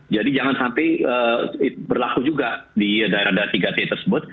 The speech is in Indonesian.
jadi jangan sampai berlaku juga di daerah daerah tiga t tersebut